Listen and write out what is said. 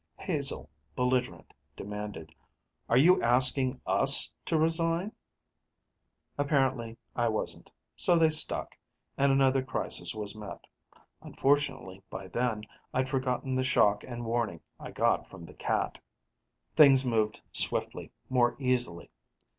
Hazel, belligerent, demanded: "Are you asking us to resign?" Apparently I wasn't. So they stuck, and another crisis was met. Unfortunately, by then, I'd forgotten the shock and warning I got from the cat. Things moved swiftly, more easily.